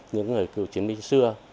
những người cựu chiến binh xưa